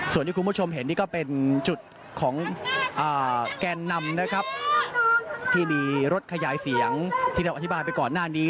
ส่วนที่คุณผู้ชมเห็นนี่ก็เป็นจุดของแกนนำนะครับที่มีรถขยายเสียงที่เราอธิบายไปก่อนหน้านี้